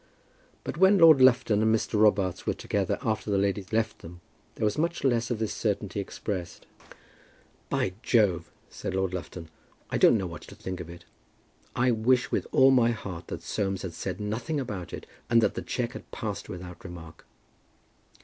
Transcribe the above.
But when Lord Lufton and Mr. Robarts were together after the ladies had left them there was much less of this certainty expressed. "By Jove," said Lord Lufton, "I don't know what to think of it. I wish with all my heart that Soames had said nothing about it, and that the cheque had passed without remark."